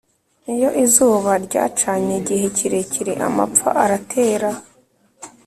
iyo izuba ryacanye igihe kirekire amapfa aratera